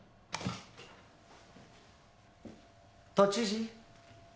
都知事。